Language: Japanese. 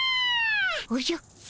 おじゃ。